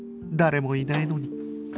誰もいないのに